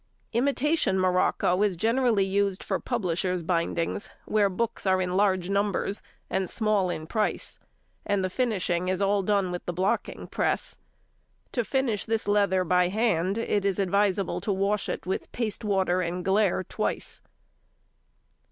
Imitation morocco is generally used for publishers' bindings, where books are in large numbers and small in price, and the finishing is all done with the blocking press: To finish this leather by hand, it is advisable to wash it with paste water and glaire twice.